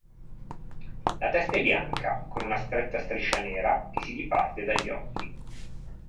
La testa è bianca, con una stretta striscia nera che si diparte dagli occhi.